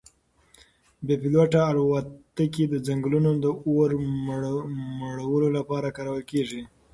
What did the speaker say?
بې پیلوټه الوتکې د ځنګلونو د اور مړولو لپاره کارول کیږي.